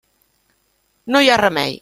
No hi ha remei.